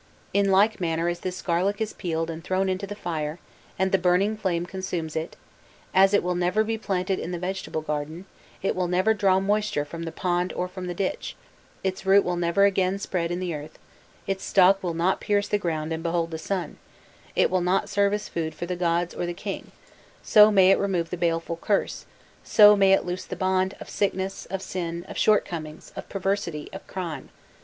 "In like manner as this garlic is peeled and thrown into the fire, and the burning flame consumes it, as it will never be planted in the vegetable garden, it will never draw moisture from the pond or from the ditch, its root will never again spread in the earth, its stalk will not pierce the ground and behold the sun, it will not serve as food for the gods or the king, so may it remove the baleful curse, so may it loose the bond of sickness, of sin, of shortcomings, of perversity, of crime!